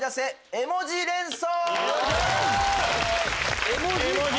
絵文字連想！